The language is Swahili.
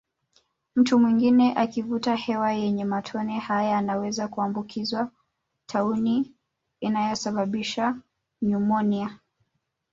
Mtu mwingine akivuta hewa yenye matone haya anaweza kuambukizwa tauni inayosababisha nyumonia